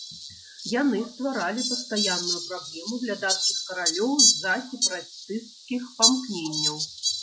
Яны стваралі пастаянную праблему для дацкіх каралёў з-за сепаратысцкіх памкненняў.